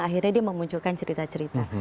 akhirnya dia memunculkan cerita cerita